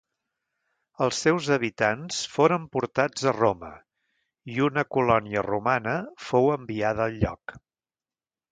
Els seus habitants foren portats a Roma i una colònia romana fou enviada al lloc.